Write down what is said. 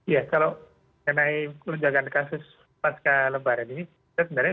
ya kalau menandai melunjakan kasus pasca lebaran ini